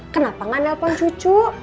kenapa enggak nelfon cucu